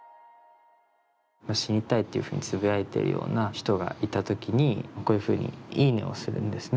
死にたいってつぶやいているような人がいたときに、こういうふうにいいねをするんですね。